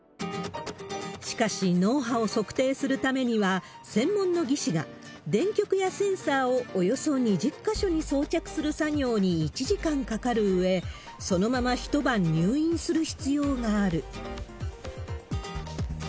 しかし、脳波を測定するためには、専門の技師が、電極やセンサーをおよそ２０か所に装着する作業に１時間かかるうえ、そのまま一晩入院する必要がある。